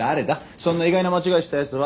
そんな意外な間違いしたヤツは。